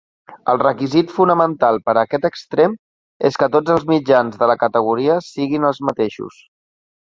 El requisit fonamental per a aquest extrem és que tots els mitjans de la categoria siguin els mateixos.